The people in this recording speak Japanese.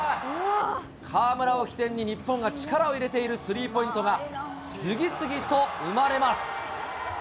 河村を起点に、日本が力を入れているスリーポイントが、次々と生まれます。